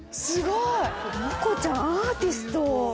すごい！もこちゃんアーティスト。